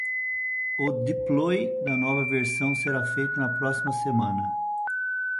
O deploy da nova versão será feito na próxima semana.